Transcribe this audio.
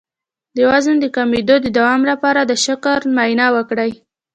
د وزن د کمیدو د دوام لپاره د شکر معاینه وکړئ